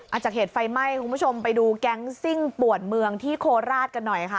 จากเหตุไฟไหม้คุณผู้ชมไปดูแก๊งซิ่งป่วนเมืองที่โคราชกันหน่อยค่ะ